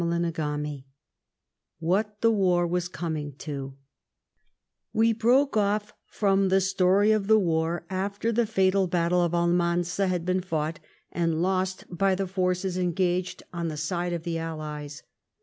CHAPTER XIX WHAT THE WAB WAS COMING TO Wb broke off from the story of the war after the fatal battle of Almanza had been fought and lost by the forces engaged on the side of the allies.